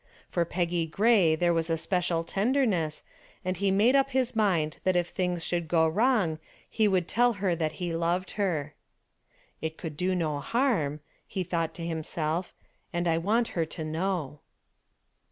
For Peggy Gray there was a special tenderness, and he made up his mind that if things should go wrong he would tell her that he loved her. "It could do no harm," he thought to himself, "and I want her to know."